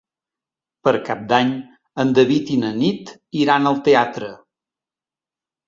Per Cap d'Any en David i na Nit iran al teatre.